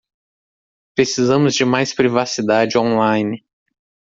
Precisamos de mais privacidade online.